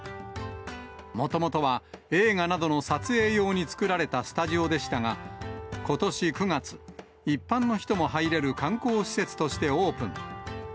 もともとは映画などの撮影用に作られたスタジオでしたが、ことし９月、一般の人も入れる観光施設としてオープン。